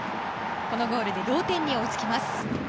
このゴールで同点に追いつきます。